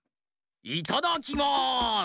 いただきます！